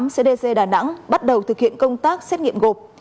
cdc đà nẵng bắt đầu thực hiện công tác xét nghiệm gộp